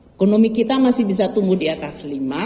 ekonomi kita masih bisa tumbuh di atas lima